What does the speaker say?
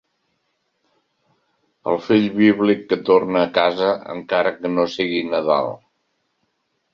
El fill bíblic que torna a casa encara que no sigui Nadal.